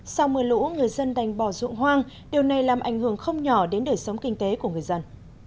sau một mươi lũ người dân đành bỏ ruộng hoang điều này làm ảnh hưởng không nhỏ đến đời sống kinh tế của người dân